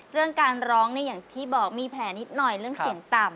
เรื่องการร้องเนี่ยอย่างที่บอกมีแผลนิดหน่อยเรื่องเสียงต่ำ